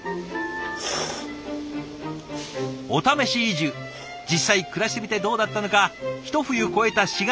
おためし移住実際暮らしてみてどうだったのか一冬越えた４月